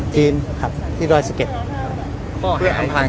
จะมาเบลอทุกข้าง